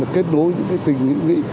kết nối những tình hữu nghị